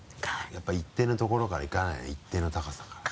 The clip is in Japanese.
やっぱ一定の所からいかないね一定の高さから。